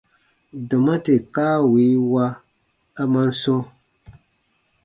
Dɔma tè kaa wii wa, a man sɔ̃: